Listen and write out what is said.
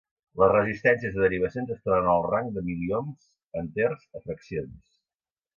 Les resistències de derivacions es troben en el rang de miliohms enters a fraccions.